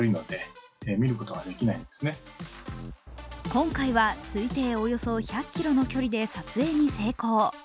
今回は推定およそ１００キロの距離で撮影に成功。